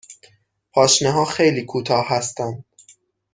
پاشنه ها خیلی کوتاه هستند.